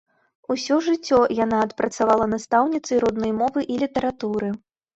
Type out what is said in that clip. Усё жыццё яна адпрацавала настаўніцай роднай мовы і літаратуры.